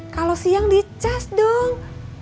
kalau siang dicas dong